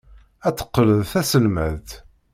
Ad teqqel d taselmadt.